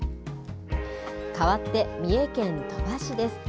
かわって、三重県鳥羽市です。